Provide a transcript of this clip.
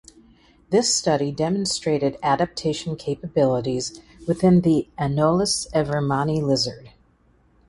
This study demonstrated adaptation capabilities within the Anolis evermanni lizard.